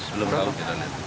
belum tahu kita lihat